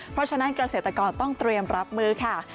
เพราะฉะนั้นเกษตรกรต้องเตรียมรับมือค่ะ